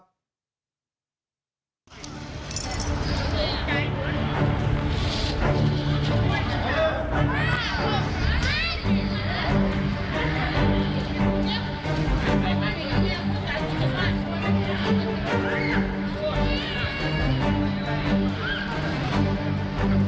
ใครว่าเรียกจริงมั้งครับ